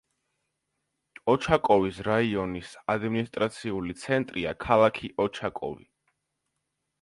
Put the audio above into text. ოჩაკოვის რაიონის ადმინისტრაციული ცენტრია ქალაქი ოჩაკოვი.